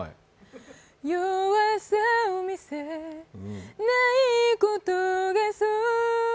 弱さを見せないことがそう